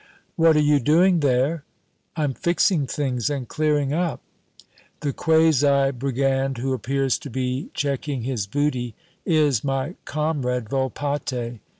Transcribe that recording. "What are you doing there?" "I'm fixing things, and clearing up." The quasi brigand who appears to be checking his booty, is my comrade Volpatte.